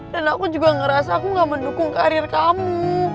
dan aku juga ngerasa aku gak mendukung karir kamu